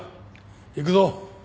行くぞ。